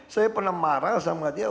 saya pernah marah sama dia